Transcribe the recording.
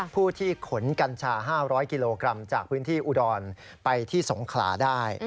ผู้ที่ขนกัญชา๕๐๐กิโลกรัมจากพื้นที่อุดรไปที่สงขลาได้